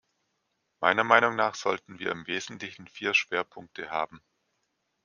Meiner Meinung nach sollten wir im Wesentlichen vier Schwerpunkte haben.